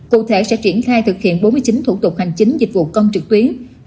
chúng ta sẽ triển khai thực hiện bốn mươi chín thủ tục hành chính dịch vụ công trực tuyến